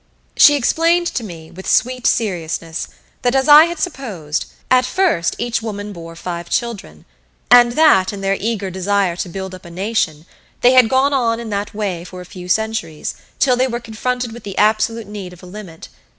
She explained to me, with sweet seriousness, that as I had supposed, at first each woman bore five children; and that, in their eager desire to build up a nation, they had gone on in that way for a few centuries, till they were confronted with the absolute need of a limit.